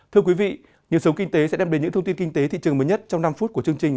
thưa quý vị nhiều sống kinh tế sẽ đem đến những thông tin kinh tế thị trường mới nhất trong năm phút của chương trình